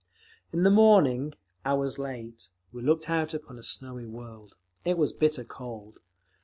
In the morning, hours late, we looked out upon a snowy world. It was bitter cold.